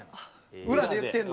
裏で言ってるの？